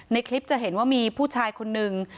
ในคลิปจะเห็นว่ามีผู้ชายคนนึง